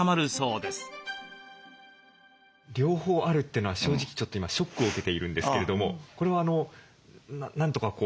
両方あるというのは正直今ショックを受けているんですけれどもこれはなんとかこうなんとかなる？